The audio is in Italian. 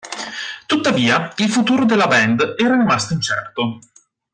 Tuttavia, il futuro della band era rimasto incerto.